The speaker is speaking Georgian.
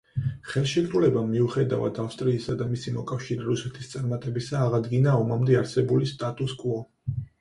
ხელშეკრულებამ მიუხედავად ავსტრიისა და მისი მოკავშირე რუსეთის წარმატებისა აღადგინა ომამდე არსებული სტატუს-კვო.